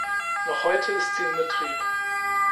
Noch heute ist sie in Betrieb.